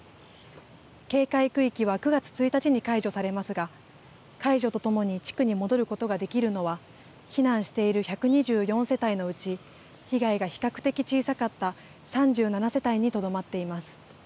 警戒区域は９月１日に解除されますが解除とともに地区に戻ることができるのは避難している１２４世帯のうち被害が比較的小さかった３７世帯にとどまっています。